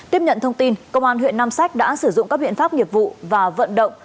tiếp nhận thông tin công an huyện nam sách đã sử dụng các biện pháp nghiệp vụ và vận động